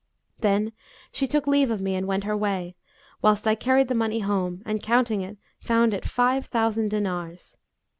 Then she took leave of me and went her way, whilst I carried the money home, and counting it, found it five thousand dinars.